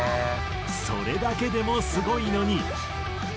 それだけでもすごいのに。